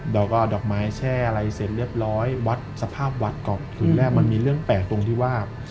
ดอกก็ดอกไม้แช่อะไรเสร็จเรียบร้อยวัดสภาพวัดก่อนจุดแรกมันมีเรื่องแปลกตรงที่ว่า